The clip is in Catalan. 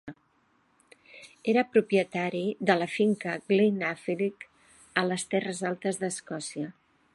Era propietari de la finca Glen Affric a les Terres Altes d'Escòcia.